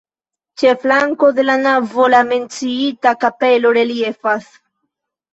Ĉe flanko de la navo la menciita kapelo reliefas.